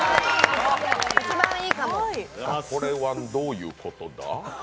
これはどういうことだ？